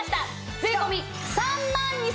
税込３万２７００円。